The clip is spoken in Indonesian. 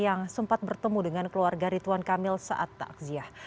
yang sempat bertemu dengan keluarga rituan kamil saat takziah